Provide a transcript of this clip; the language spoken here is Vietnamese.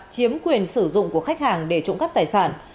chiếm quyền sử dụng của khách hàng để trụng cắt tài sản